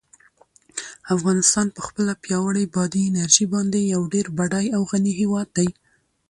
افغانستان په خپله پیاوړې بادي انرژي باندې یو ډېر بډای او غني هېواد دی.